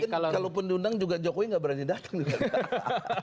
kalau pun diundang juga jokowi gak berani datang juga